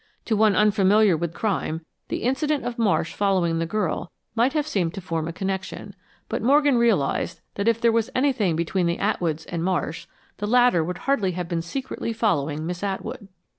To one unfamiliar with crime, the incident of Marsh following the girl might have seemed to form a connection, but Morgan realized that if there was anything between the Atwoods and Marsh, the latter would hardly have been secretly following Miss Atwood.